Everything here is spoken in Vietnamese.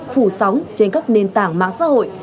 phủ sóng trên các nền tảng mạng xã hội